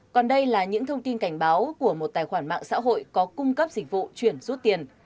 còn đây là những thông tin cảnh báo của một tài khoản mạng xã hội có cung cấp dịch vụ chuyển rút tiền